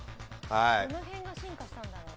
どの辺が進化したんだろう？